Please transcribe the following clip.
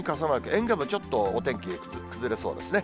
沿岸部、ちょっとお天気崩れそうですね。